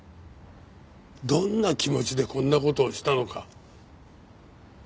どんな気持ちでこんな事をしたのか。